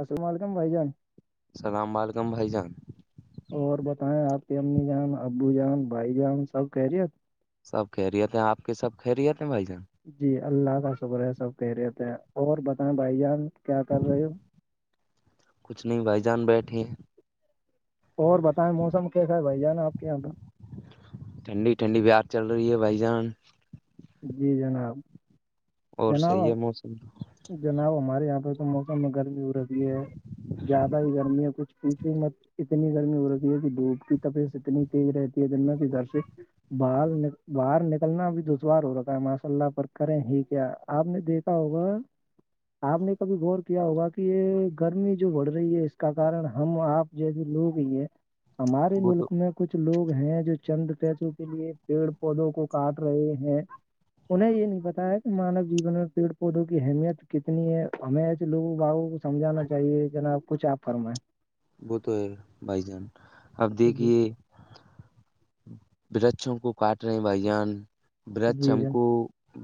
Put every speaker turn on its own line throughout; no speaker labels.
السلام علیکم بھائی جان
السلام و علیکم بھائی جان
اور بتیں آپ کی امی جان ابو جان بھائی جان سب کہہ رہیے
سب کہہرییت ہیں آپ کے سب کہرییت ہیں بھائی جان
جی اللہ کا شکر ہے سب کہہ رہے تھے اور بتائیں بھائی جان کیا کر رہے ہو
کچھ نہیں بھائی جان بیٹھے [unintelligible]
اور بتائیں موسم کیسا ہے بھائی جانا آپ کے یہاں پ
ٹھنڈی ٹھنڈی بیار چل رہی ہے بھائی جان
جی جناب [unintelligible]
اور
جناب
صحیح ہے موسم
جناب ہمارے یہاں پہ تو موسم میں گرمی ہو رہی ہے زیادہ ہی گرمی ہے کچھ پیچھ مت اتنی گرمی ہو رہتی ہے کہ دھوپ کی طبیعت اتنی تیز رہتی ہے د کے گھر سے باہر ن باہر نکلنا بھی دشوار ہو رہا ہے ماشاء اللہ پر کریں ہی کیا آپ نے دیکھا ہوگا آپ نے کبھی غور کیا ہوگا کہ یہ گرمی جو بڑھ رہی ہے اس کا کارن ہم آپ جیسے لوگ ہیں یہ ہمارے
وہ تو
ملک میں کچھ لوگ ہیں جو چند پسوں کے لیے پیڑ پودوں کو کاٹ رہے ہیں انہیں یہ نہیں بتا ہے مانو جیون میں پیڑ پودوں کی اہمیت کتنی ہے ہمیں ایسے لوگوں باگوں کو سمجھانا چاہیے جناب کچھ آپ فرم ہے [unintelligible]
وہ تو ہے بائی جان آپ
جی
دیکے ورچھوں کو کاٹ رہے ہیں بھائی جان ورچھ
جی
ہم کو
جناب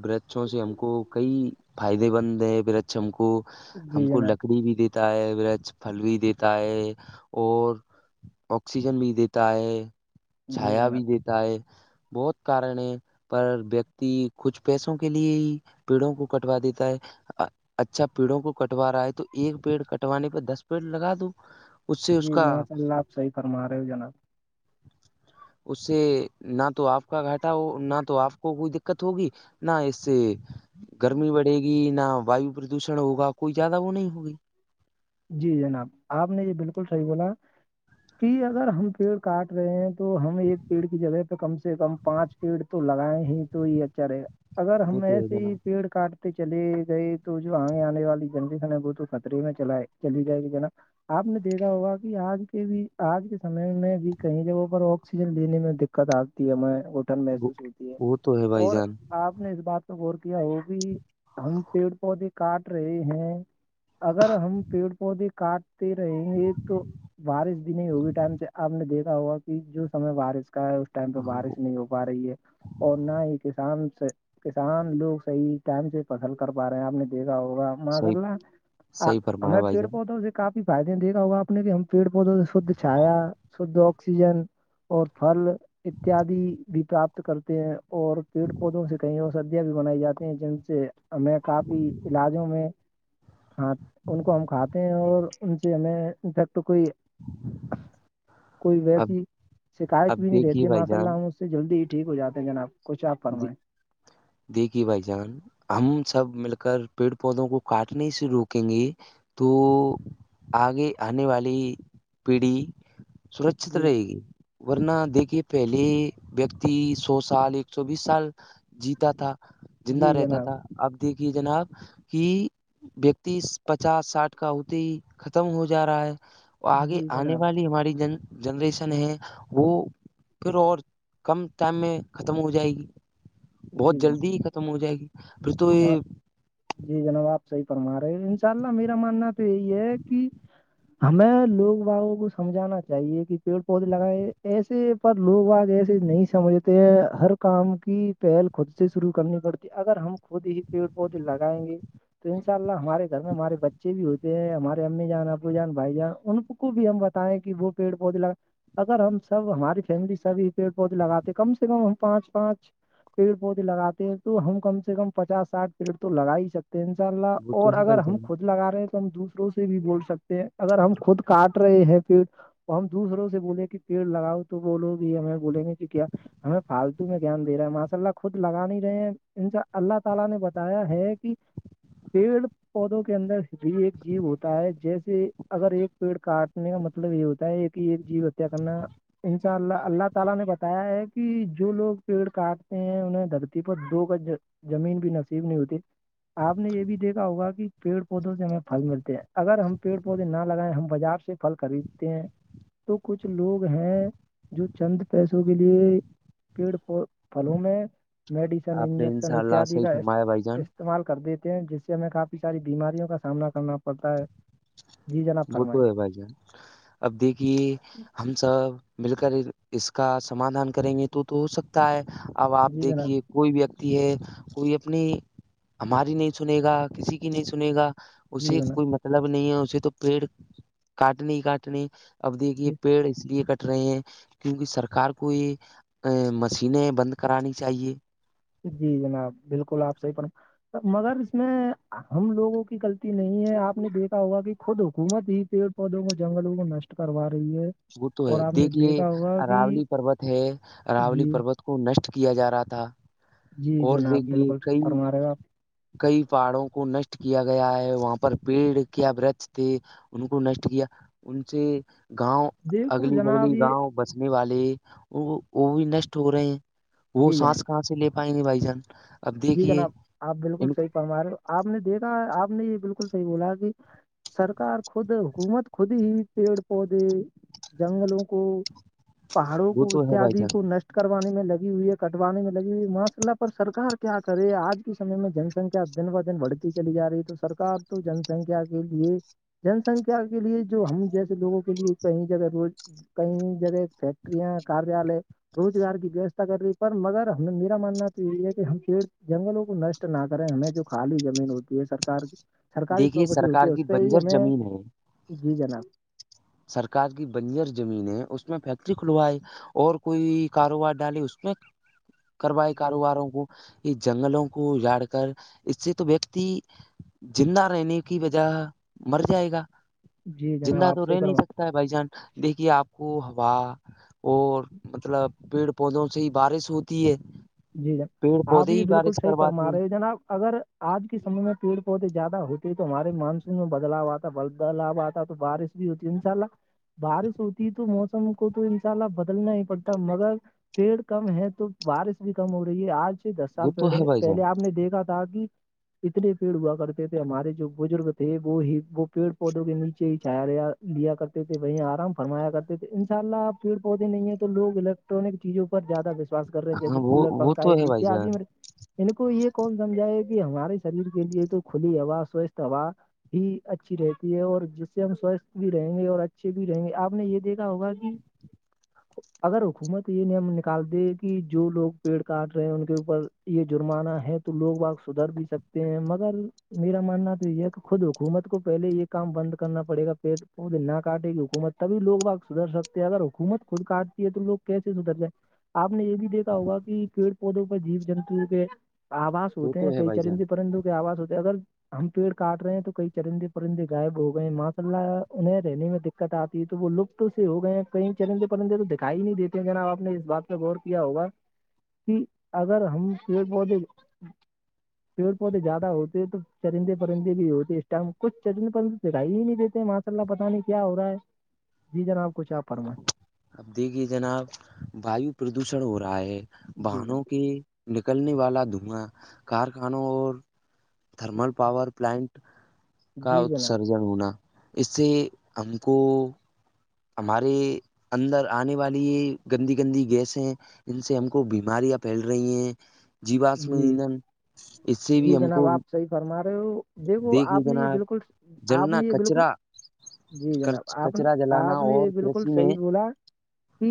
برچوں سے ہم کو کئی فائدے مند ہیں ہم کو ہم
جی
کو
جناب
لکڑی بھی دیتا ہے پھل بھی دیتا ہے اور آکسیجن بھی دیتا ہے
جی
چھایا بھی
جناب
دیتا ہے بہت کارن ہے پر ویکتی کچھ پیسوں کے لیے ہی پیڑوں کو کٹوا دیتا ہے اچھا پیڑوں کو کٹوا رہا ہے تو ایک پیڑ کٹوانے پ دس پیڑ لگا دووں
جی ماشاء اللہ آپ صحیح فرما رہے ہو جناب
اس سے نہ تو آپ کا گھاٹا ہو نہ تو آپ کو کوئی دقت ہوگی نہ اس سے گرمی بڑے گی نہ وایو پردوشن ہوگا کوئی زیادہ وہ نہیں ہوگی
جی جناب آپ نے یہ بالکل صحیح بولا کہ اگر ہم پیڑ کاٹ رہے ہیں تو ہم ایک پیڑ کی جگہ پہ کم سے کم پانچ پیڑ تو لگائیں ہی تو یہ اچھا رہے گا اگر
وہ
ہم
تو ہے
ایسے ہی
جناب
پیڑ کاٹ چلی گئی تو جو آگ آنے والی جنری س وہ تو خطرے میں چلائے چلی جائے گی جناا آپ نے دیکھا ہوگا کہ آج کے بھی آج کے سمے میں بھی کئی جگہوں پر آکسیجن لینے میں د دقت آتی ہے ہمیں اٹھن
وہ
محسوس ہوتی ہے
وہ تو بھائی
اور
جان
آپ نے اس بات پ غور کیا ہو کہ ہم پیڑ پودے کاٹ رہے ہیں اگر ہم پیڑ پودے کاٹتے رہیں گے تو بارش بھی نہیں ہوگی ٹائم سے آپ نے دیکھا ہوگا جو سمے بارش کا ہے اس ٹائم پہ
ہاں وہ
بارش نہیں ہو پا رہی ہے اور نہ ہی کسان سے کسان لوگ صحیح ٹائم سے فصل کر پا رہے ہیں آپ نے دیکھا ہوگا ماشاء
صحیح
اللہ آ-
صحیح فرمایا
ہمیں
بھائی
پیڑ
جان
پہودتااوں سے کافی فائدے دیکھا ہوگا آ نے کہ ہم پیڑ پودوں سے شھ چھایا شدھ آکسیجن اور پل اتیادی بھی پراپت کرتے ہیں اور پیڑ پودوں سے کہئی اور س بھی بنائی جاتی ہیں جن سے ہمیں کافی علاجوں میں ان کو ہم کھاتے ہیں اور ان سے ہمیں انفیکٹ کوئی کوئی
اب
ویسی شکایت بھی
اب
نہیں
دیکھیے
رہتی
بھائی
ماشاء اللہ
جان
ہم اس سے جلدی ہی ٹھیک ہو جاتے ہیں جناب کچھ آ فرمائیں
دیگی بھائی جان ہم سب مل کر پیڑ پودوں کو کاٹنے سے روکیں گے تو آگے آنے والی پیڑھی سرکچت
جی
رہے گی ورنہ دیکھیے پہلے ویکتی سو سال ایک سو بیس سال جیتا تھا زندہ
جی
رہتا
جناب
تھا اب دیکھیے جناب کہ ویکتیس پچاس ساٹھ کا اتے ہی ختم ہو جا رہا ہے وہ آگے
جی
آنے
جناب
والی ہماری جن جنریشن ہے وہ پھر اور کم ٹائم میں ختم ہو جائے گی بہت
جی جناب
جلدی ہی ختم ہو جائے گی پھر تو یہ
ما- جی جناب آپ صحیح فما رہے انشاء اللہ میرا ماننا تو یہی ہے کہ ہمیں لوگ باگوں کو سمجھانا چاہیے کہ پیڑ پودے لگائے ایسے پر لوگ آگ ایسے نہیں سمجھتے ہیں ہر کام کی پہل خود سے شروع کرنی پڑتی اگر ہم خود ہی پیڑ پودے لگائیں گے تو ان شاء اللہ ہمارے گھر میں ہمارے بچے بھی ہوتے ہیں ہمارے امی جان ابو جان بھائی جان ان کو کو بھی ہم بتائیں کہ وہ پیڑ پود ل اگر ہم سب ہماری فیملی سبھی پیڑ پودے لگاتے کم سے کم ہم پانچ پانچ پیڑ پودے لگاتے ہیں تو ہم کم سے کم پچاس سٹھ پیریٹ تو لگا ہی سکتے ہیں ان شاء اللہ
وہ تو
اور
ہے
اگر
بھائی
ہم
جان
خود لگا رہے ہیں تو ہم دوسروں سے بھی بول سکتے ہیں اگر ہم خود کاٹ رہے ہیں پیٹ اور ہم دوسروں سے بولے کہ پیڑ لگاؤ تو بولو گ ہمیں بولیں گے کہ کیا ہمیں فالتو میں گان دے رہا ہے ماشاء اللہ خود لگا نہیں رہے ہیں انسا [inaudible] پودوں کے اندر بھی ایک جیو ہوتا ہے جیسے اگر ایک پیڑ کاٹنے کا مطلب اپ یہ ہوتا ہے کہ ایک جیو ہے ہے کرنا ان شاء اللہ اللہ تعالی نے بتایا ہے کہ جو لوگ پیڑ کاٹتے ہیں انہیں درد پت دو کا زمین بھی نصیب نہیں ہوتی آپ نے یہ بھی دیکھا ہوگا کہ پیڑ پودوں سے ہمیں پھل ملتے ہیں اگر ہم پیڑ پودے نہ لگائیں ہم بازار سے پھل خریدتے ہیں تو کچھ لوگ ہیں جو چند پیسوں کے لیے پیڑ پلوں میں میڈیسن
آپ نے ان
انجیکشن
شاء اللہ
اتد
صحیح فرمایا بھائی جان
کا استعمال کر دیتے ہیں جس سے ہمیں کافی ساری بیماریوں کا سامنا کرنا پتا ہے جی جناب
وہ
فرمائیں
تو ہے بھائی جان اب دیکھیے ہم سب مل کر اس کا سمادھان کریں گے تو تو ہو سکتا ہے اب آپ
جی جناب
دیکھیے کوئی ویکتی ہے کوئی اپنی ہماری نہیں سنے گا کسی کی نہیں سنے گا
جی
اسے
جناب
کوئی مطلب نہیں ہے اسے تو پیڑ کاٹنے ہی کاٹنی اب دیکھیے
جی
پیڑ اس لیے کٹ رہے ہیں کیونکہ سرکار کو یہ ا مشینیں بند کرانی چاہیے
جی جناب بالکل آپ سےح پر مگر اس میں ہم لوگوں کی غلطی نہیں ہے آپ نے دیکھا ہوگا کہ خود حکومت ہی پ پودوں کو جنگلوں کو نشٹ کروا رہی ہے
وہ تو ہے
اور آپ نے
دیکھیے
دیکھا ہوگا کہ
راولی پروت ہے راولی
جی
پروت کو نشٹ کیا جا رہا تھا
جی
اور
جناب
دیکھیے
بالکل
کئی
فرما رہے ہو آپ
کئی پہاڑوں کو نشٹ کیا گیا ہے وہاں پر پیڑ کیا ورچ تھے ان کو نشٹ کیا ان سے گاؤں
دیکھو
اگلی بگلی
جناب یہ
گاؤں بسنے والے وہ بھی نشٹ ہو رہے ہیں وہ
جی جناب
سانس کہاں سے لے پائی نہیں بھائی جان اب دیکھیے
ہمارے آپ نے دیکھا آپ نے یہ بالکل صحیح بولا کہ سرکار خود حکومت خود ہی پیڑ پودے جنگلوں کو پہاڑوں
وہ
کو
تو ہے بھائی
اتیاد
جان
کو نش کروانے میں لگی ہوئی ہے کٹوانے میں لگی ہوئی ہے ماشء اللہ پر سرار کے کیا کرے آج کے سمے میں جن سنکھیا دن ب دن بڑھتی چلی جا رہی ہے تو سرک تو جن سنکھیا کے لیے جن سنکھیا کے لیے جو ہم جیسے لوگوں کے لیے کہیں جگہ روز کئی جگ فیکٹریاں کاریالے روزگار کی ویوستھا کر رہی پر مگر ہم نے میرا ماننا تو یہی ہے کہ ہم پڑ جنگلوں کو نشٹ نہ کریں ہمیں جو خالی زمین ہوتی ہے سرک کی سرکاری
دیکھیے
پراپرٹی ہوتی
سرکار
ہے
کی
اس پہ ہی
بنجر
ہمیں
زمین
جی جناب
سرک کی بنجر زمین ہے اس میں فیکٹری کھلوائے اور کوئی کاروبار ڈالے اس میں کروائے
جی
کاروباروں کو جنگلوں کو جاڑ کر اس سے تو ویکتی جا رہےنے کی وجہ مر جائے گا
جی جناب
زندہ تو
آپ صحیح
رہ نہیں
فرما
سکتا ہے بھائی جان دیکھیے آپ کو ہوا اور مطلب پیڑ پودوں سے ہی بارش ہوتی ہے
جی جناب
پیڑ
آپ
پودے
یہ
ہی
بالکل
بارش
صحیح فرما
کرواتے ہیں
رہے ہو جناب اگر آج کے سمے میں پیڑ پودے زیادہ ہوتے تو ہمارے مانسون میں بدلاؤ آتا بد بدلاؤ آتا تو بارش ہوتی ان شاء اللہ بارش ہوتی تو موسم کو تو انشاء اللہ بدلنا ہی پڑتا مگر پیڑ کم ہے تو بارش بھی کم ہو رہی ہے آج سے دس
وہ
سال
تو
پیڑ ہے
بھائی جان
پہلے آپ نے دیکھا تو داادی اتنے پیڑ ہوا کرتے تھے ہمارے جو بزرگ تھے وہ ہی وہ پیڑ پودوں کے نیچے ہی چھایا گیا لیا کرتے تھے وہیں آرام فرمایا کرتے تھے انشاء اللہ پیڑ پودے نہیں ہیں تو لوگ الگ الٹرک چیزوں پر زیادہ وشواس کر رہ ہیں
ہاں
جیسے
وہ
کولر
وہ تو ہے بھائی
پنکھاتیاد
جان
م ان کو یہ کون سمجھاائے کہ ہمارے شریر کے لیے تو کھلی ہوا سوستھ ہوا ہی اچھی رہتی ہے اور جس سے ہم سوستھ بھی رہیں گے اور اچھے بھی رہیں گے آپ نے یہ دیکھا ہوگا کہ اگر حکومت یہ نیم نکال د کہ جو لوگ پیڑ کاٹ رہے ہیں ان کے اوپر یہ جرمانہ ہے تو لوگ آگ سدھر بھی سکتے ہیں مگر میرا ماننا تو یہ ہے کہ خود حکومت کو پہلے یہ کام بند کرنا پڑے گا پڑ پودے نہ کاٹے گی حکومت تبھی لوگ بگ سدھر سکتے ہیں اگر حکومت خود کاٹتی ہے تو لوگ کیسے سدھر جائے آپ نے یہ بھی دیکھا ہوگا پیڑ پودوں پر جیو جنتو کے آواز
وہ
ہوتے
تو
ہیں
ہے
کئی
بھائی جان
چرندی پرندوں کے آواز ہوتے ہیں اگر ہم پیڑ کاٹ رہے ہیں تو کئی چرندے پرندے غائب ہو گئے ہیں ماشا اللہ انہیں رہنے میں د کٹاتتی ہے تو وہ لپت سے ہو گئے ہیں کئی چرندے پرندے تو دکھائی نہیں دیتے ہیں جناب آپ نے اس بات پہ غور کیا ہوگا کہ اگر ہم پیڑ پودے پیڑ پودے زیادہ ہوتے تورندے پرندے بھی ہوتے ہیں اس ٹائم میں کچ چرندے پرندے دکھائی ہی نہیں دیتے ہیں ماں لہ پت نہیں کیا ہو رہا ہے جی جناب کچھ آ فرما
اب دیکھیے جناب ویو پردوشن ہو رہا ہے
جی
باہنوں
جناب
کے نکلنے والا دھواں کارخانوں اور تھرمل پاور پلانٹ کا
جی جناب
اتسرجن ہونا اس سے ہم کو ہمارے اندر آنے والی یہ گندی گندی گیس ہیں ان سے ہم کو بیماریاں پھیل رہی ہیں جیواشم
جی
ادھن اس سے بھی ہم کو
صحی فرما رہے ہو دیکھو
دیکھیے
آپ نے یہ
جناب
بالکل آپ
جلنا
نے یہ بالکل
کچرا
جی جناب آپ نے
کچرا جلانا
آپ نے
اور
یہ بالکل
کرشی میں
صحیح بولا کہ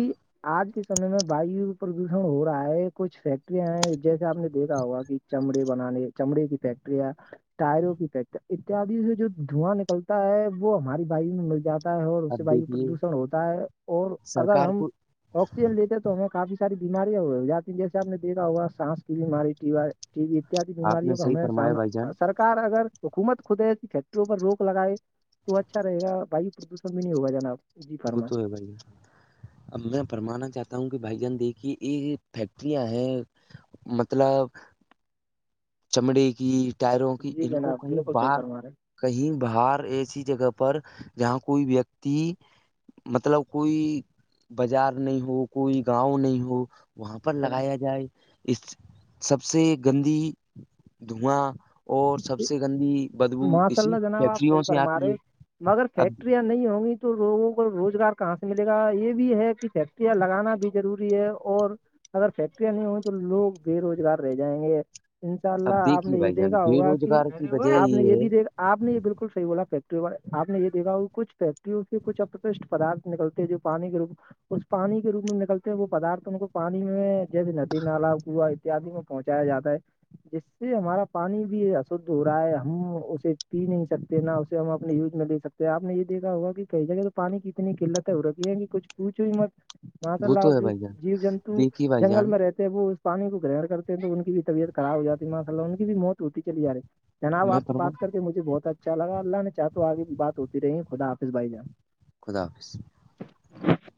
آج کے سمے میں وایو پردوشن ہو رہا ہے کچھ فیکٹریاں ہیں جیسے آپ نے دیکا ہوا کہ چمڑے بنانے چمڑے کی فیکٹری ہے ٹائروں کی پیک اتیاد سے جو دھواں نکلتا ہے وہ ہماری بائیک میں لگ جاتا ہے اور اس سے
اب
وایو
دیکھیے
پردوشن ہوتا ہے اور اگر
سرکار
ہم
کو
آکسیجن لیتے تو ہمیں کافی سے ساری بیماریاں ہو جاتی جیسے آپ دیکھا ہوا سانس کی بیماری ٹی ٹی وی اتیاد
آپ نے
بیماریوں کا
صحیح
ہمیں
فرمایا بھائی جان
سامنا سر سرار اگر حکومت خودے فیکٹریوں پر روک لگائے تو اچھا رہےا وایو پردوشن بھی نہیں ہوگا جناب جی
وہ
فرمائیں
تو ہے بھائی جان اب میں فرمانا چاہتا ہوں کہ بھائی جان دیکھیے یہ فیکٹریاں ہے مطلب چمڑے کی ٹائروں کی
جی
ان کو
جناب
کہیں
بالکل صحیح
باہار
فرما رہے
کہیں باہر ایسی جگہ پر جہاں کوئی ویکتی مطلب کوئی بازار نہیں ہو کوئی گاؤں نہیں ہو وہاں پر
جی
لگایا جائے اس سب سے گندی دھواں اور سب
جناب
سے گندی بدبو
ماشاء
اسی
اللہ جناب آپ صحیح
فیکٹریوں سے
فرما
آتی ہے
رہے مگر
اب
فیکٹرییا نہیں ہوں گی تو لوگوں کو روزگار کہاں سے ملے گا یہ بھی ہے کہ فیکٹریاں لگانا بھی ضروری ہے اور اور اگر فیکٹریاں نہیں ہوئی تو لوگ بے روزگار رہ جائیں گے انشاء
اب
اللہ آپ
دیکھیے
نے یہ
بھائی جان
دیکھا
بے
ہوگا کہ
روزگار کی وجہ
آپ نے
یہ
یہ
ہے
بھی آپ نے یہ بالکل صحیح والا فیکٹری والا آپ نے یہ دیکا کہ کچ فیکٹریوں سے کچھ ا اسٹ پدارت نکلتے ہیں جو پانی کے روپ اس پانی کے روپ میں نکلتے ہیں وہ پدارت ان کو پانی میں جیسے ندی نالا ہوا اتیادی میں پہنچایا جاتا ہے جس سے ہمارا پانی بھی اشھ ہو رہا ہے ہم اسے پی نہیں سکتے نہ اسے ہم اپنے یوز میں لے سکتے ہیں آپ نے یہ دیکا ہوگا کہ کئی جگہ تو پانی کی اتنی قلت ہے وہ رک ہے کچھ پوچوئی مت ماں تو
وہ
لاو
ہے
جو
بھائی جان
جیو جنتو
دیکھیے بھائی
جنگل
جان
میں رہتے وہ اس پانی کو گرہنر کرتے ہیں تو ان کی بھی طبیعت خراب ہو جاتی ماشء اللہ ان کی بھی مو ہوتی چلی جا رہی ہے۔ جناب
میں
آپ سے
فرما
بات کر کے مجھے بہت اچھا لگا اللہ نے چاہ تو آگے بھی بات ہوتی رہی خدا حافظ بھائی جان
خدا حافظ
[inaudible]